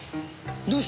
どうして！？